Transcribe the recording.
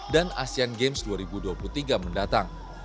dan asean games dua ribu dua puluh tiga mendatang